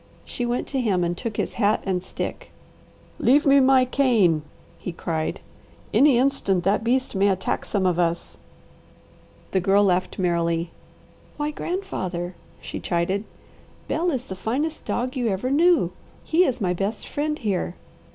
She went to him and took his hat and stick. "Leave me my cane," he cried. "Any instant that beast may attack some of us." The Girl laughed merrily. "Why grandfather!" she chided, "Bel is the finest dog you ever knew, he is my best friend here.